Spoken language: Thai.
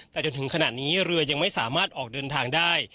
แต่จนถึงขณะนี้เรือยังไม่สามารถออกเดินทางได้